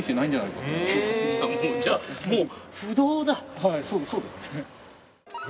はいそうだよね。